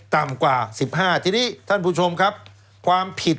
แล้วเขาก็ใช้วิธีการเหมือนกับในการ์ตูน